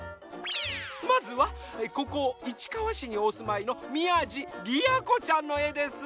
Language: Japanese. まずはここいちかわしにおすまいのみやじりやこちゃんのえです。